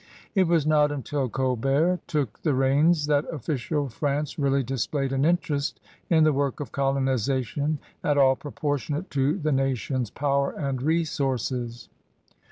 It was not until Colbert took the reins that official France really displayed an interest in the work of colonization at all proportionate to the nation's power and resources.